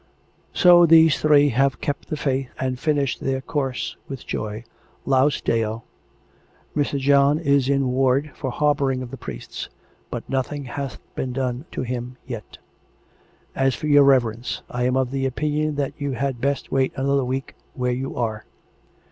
" So these three have kept the faith and finished their course with joy. Laus Deo. Mr. John is in ward, for harbouring of the priests; but nothing hath been done to him yet. " As for your reverence, I am of opinion that you had best wait another week where you are.